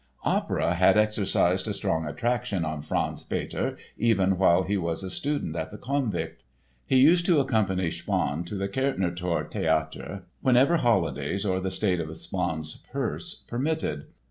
Opera had exercised a strong attraction on Franz Peter even while he was a student at the Konvikt. He used to accompany Spaun to the Kärntnertor Theatre whenever holidays or the state of Spaun's purse permitted.